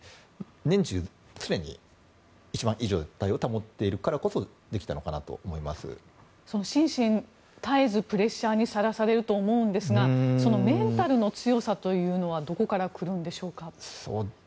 年中、常に一番いい状態を保っているからこそ心身、絶えずプレッシャーにさらされると思うんですがそのメンタルの強さというのはどこから来るんでしょうか。